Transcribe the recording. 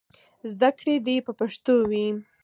زدهکړې دې په پښتو وي.